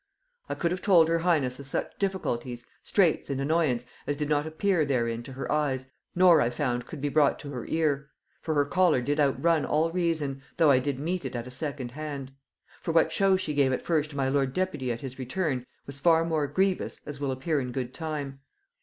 "I could have told her highness of such difficulties, straits, and annoyance, as did not appear therein to her eyes, nor, I found, could be brought to her ear; for her choler did outrun all reason, though I did meet it at a second hand. For what show she gave at first to my lord deputy at his return, was far more grievous, as will appear in good time.